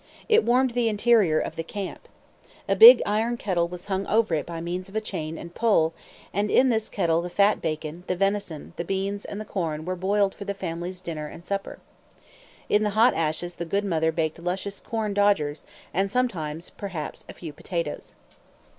It warmed the interior of the camp. A big iron kettle was hung over it by means of a chain and pole, and in this kettle the fat bacon, the venison, the beans, and the corn were boiled for the family's dinner and supper. In the hot ashes the good mother baked luscious "corn dodgers," and sometimes, perhaps, a few potatoes.